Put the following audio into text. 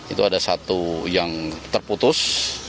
itu ada satu yang terputus